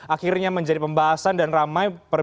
akhirnya menjadi pembahasan dan ramai